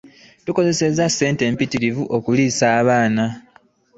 Tukozesa ssente mpitirivu okuliisa abaana.